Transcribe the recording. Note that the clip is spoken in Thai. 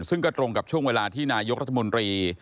ซึ่งก็ตรงกับช่วงเวลาที่นายกรัฐมนตรี